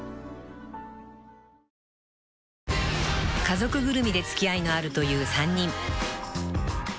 ［家族ぐるみで付き合いのあるという３人］